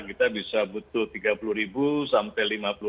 kita bisa butuh tiga puluh sampai lima puluh